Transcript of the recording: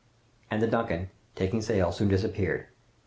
"And the 'Duncan,' making sail, soon disappeared.